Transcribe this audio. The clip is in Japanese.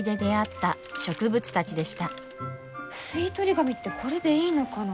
吸い取り紙ってこれでいいのかな？